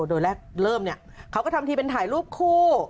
โดยแรกเริ่มเนี่ยเขาก็ทำทีเป็นถ่ายรูปคู่